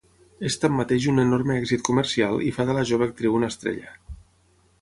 És tanmateix un enorme èxit comercial i fa de la jove actriu una estrella.